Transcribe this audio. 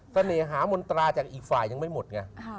เสน่หามนตราจากอีกฝ่ายยังไม่หมดไง